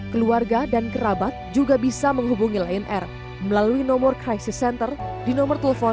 keluarga dan kerabat juga bisa menghubungi lain r melalui nomor crisis center di nomor telepon dua puluh satu delapan ratus delapan dua puluh ribu